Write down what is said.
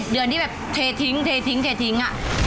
๗เดือนที่เททิ้ง